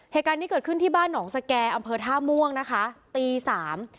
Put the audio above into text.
เหตุการณ์นี้เกิดขึ้นที่บ้านหนองสแก่อำเภอท่าม่วงนะคะตีสาม